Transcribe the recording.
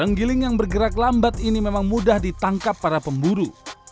tenggiling yang bergerak lambat ini memang mudah ditangkap para pemburu